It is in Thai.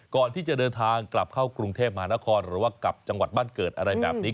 ก่อนที่จะเดินทางกลับเข้ากรุงเทพมหานครหรือว่ากลับจังหวัดบ้านเกิดอะไรแบบนี้